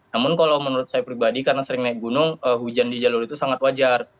namun kalau menurut saya pribadi karena sering naik gunung hujan di jalur itu sangat wajar